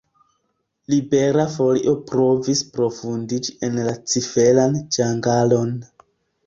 Libera Folio provis profundiĝi en la ciferan ĝangalon.